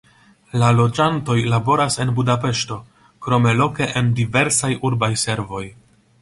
La loĝantoj laboras en Budapeŝto, krome loke en diversaj urbaj servoj.